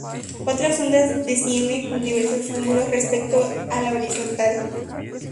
Otras ondas descienden con diversos ángulos respecto a la horizontal.